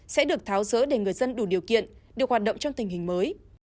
sẽ được tháo dỡ để người dân đủ điều kiện được hoạt động trong tình hình mới